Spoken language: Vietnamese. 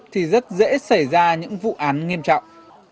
thì rất dễ xảy ra những vụ án nghiêm trọng